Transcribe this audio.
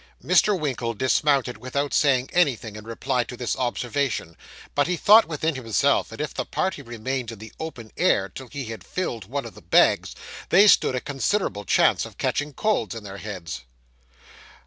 Mr. Winkle dismounted without saying anything in reply to this observation; but he thought within himself, that if the party remained in the open air, till he had filled one of the bags, they stood a considerable chance of catching colds in their heads.